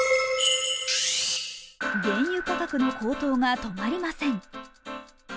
原油価格の高騰が止まりません。